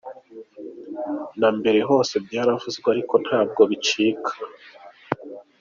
Na mbere hose byaravuzwe ariko ntabwo bicika.